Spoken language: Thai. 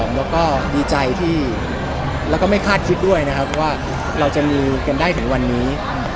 แล้วก็ดีใจที่แล้วก็ไม่คาดคิดด้วยนะครับว่าเราจะมีกันได้ถึงวันนี้